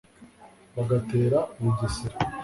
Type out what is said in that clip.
bagatera u bugesera